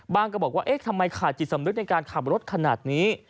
ก็บอกว่าเอ๊ะทำไมขาดจิตสำนึกในการขับรถขนาดนี้